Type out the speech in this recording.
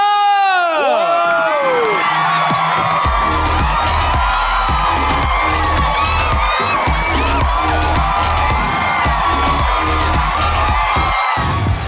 โอ้โฮ